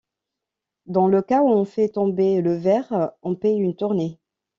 Dans le cas où on fait tomber le verre, on paie une tournée...